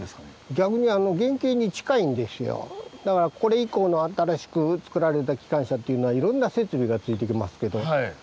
だからこれ以降の新しく造られた機関車っていうのはいろんな設備がついてきますけど。